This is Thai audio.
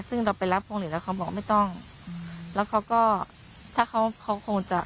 ซึ่งเราไปรับพวงหลีดแล้วเขาบอกไม่ต้องแล้วเขาก็ถ้าเขาเขาคงจะ